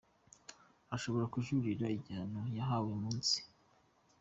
Ashobora kujuririra igihano yahawe uyu munsi.